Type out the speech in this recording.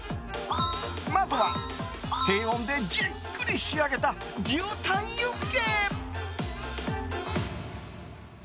まずは低温でじっくり仕上げた牛タンユッケ。